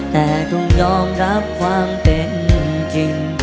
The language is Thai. แต่ต้องยอมรับความเป็นจริง